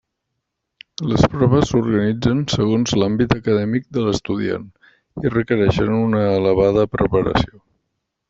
Les proves s'organitzen segons l'àmbit acadèmic de l'estudiant i requereixen una elevada preparació.